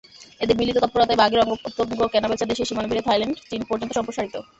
এদের মিলিত তৎপরতায় বাঘের অঙ্গপ্রত্যঙ্গ কেনাবেচা দেশের সীমানা পেরিয়ে থাইল্যান্ড-চীন পর্যন্ত সম্প্রসারিত।